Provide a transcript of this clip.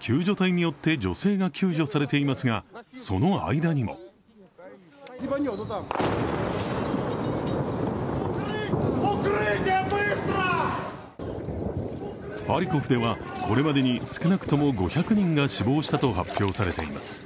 救助隊によって女性が救助されていますが、その間にもハリコフではこれまでに少なくとも５００人が死亡したと発表されています。